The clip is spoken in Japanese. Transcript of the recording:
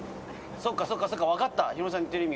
そっかそっかそっか分かったヒロミさんの言ってる意味が。